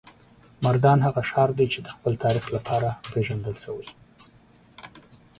مردان هغه ښار دی چې د خپل تاریخ لپاره پیژندل شوی.